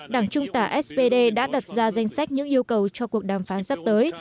đảng trung tả spd đã đặt ra danh sách những yêu cầu cho cuộc đàm phán sắp tới